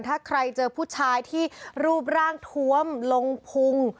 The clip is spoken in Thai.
ถ้าใครเจอผู้ชายที่รูปร่างทวมลงพุง